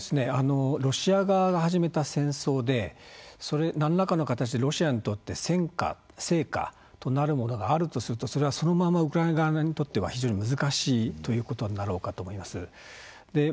ロシア側が始めた戦争で何らかの形でロシアにとって戦果成果となるものがあるとするとそれはそのままウクライナ側にとっては非常に難しいということになろうかと思います。